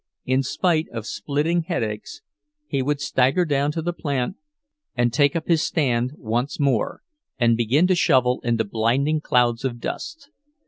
In spite of splitting headaches he would stagger down to the plant and take up his stand once more, and begin to shovel in the blinding clouds of dust.